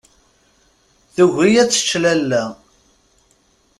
Tugi ad tečč lalla.